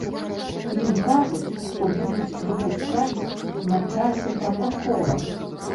Ім кажуць, што будуць выпускаць на часе пратакола.